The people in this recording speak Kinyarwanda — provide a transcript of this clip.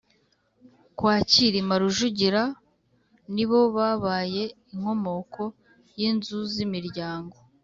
kwa Cyilima Rujugira, nibo babaye inkomoko y’inzu z’imiryango